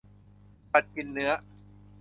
สัตว์กินเนื้อ